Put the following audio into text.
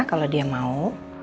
kalau dia mau